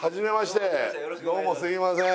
どうもすいません